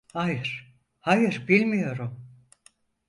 Hayır, hayır, biliyorum!